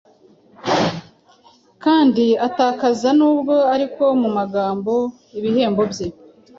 Kandi atakaza, nubwo ariko mu magambo, ibihembo bye